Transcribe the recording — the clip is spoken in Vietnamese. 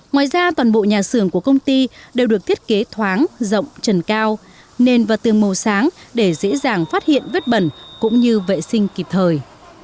ngoài ra toàn bộ nhà xưởng của công ty đều được thiết kế thoáng rộng trần cao nền và tường màu sáng để dễ dàng phát hiện vết bẩn cũng như vệ sinh kịp thời